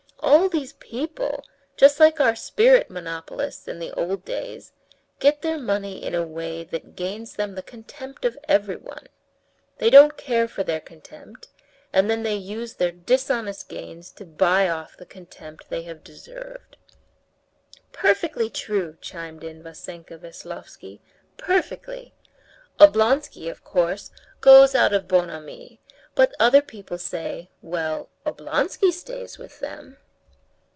All these people, just like our spirit monopolists in old days, get their money in a way that gains them the contempt of everyone. They don't care for their contempt, and then they use their dishonest gains to buy off the contempt they have deserved." "Perfectly true!" chimed in Vassenka Veslovsky. "Perfectly! Oblonsky, of course, goes out of bonhomie, but other people say: 'Well, Oblonsky stays with them.